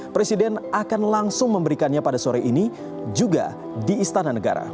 presiden akan langsung memberikannya pada sore ini juga di istana negara